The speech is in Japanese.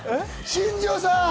新庄さん！